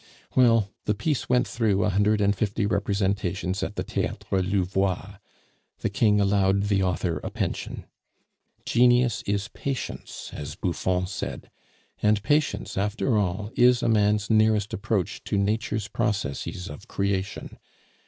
Well, the piece went through a hundred and fifty representations at the Theatre Louvois. The King allowed the author a pension. 'Genius is patience,' as Buffon said. And patience after all is a man's nearest approach to Nature's processes of creation.